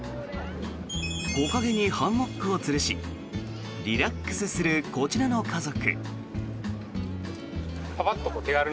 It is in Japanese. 木陰にハンモックをつるしリラックスする、こちらの家族。